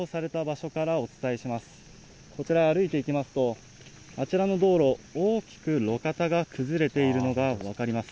こちら、歩いていきますと、あちらの道路、大きく路肩が崩れているのが分かります。